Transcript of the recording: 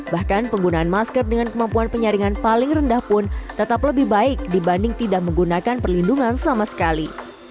bahkan penggunaan masker dengan kemampuan penyaringan paling rendah pun tetap lebih baik dibanding tidak menggunakan perlindungan sama sekali